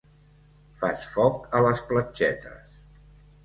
Fas foc a les platgetes.